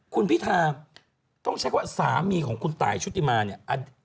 คุณพิทาต้องใช้คำว่าสามีของคุณตายชุติมาเนี่ย